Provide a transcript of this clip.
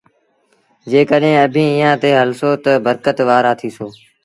جيڪڏهينٚ اڀيٚنٚ ايٚئآنٚ تي هلسو تا برڪت وآرآ ٿيٚسو۔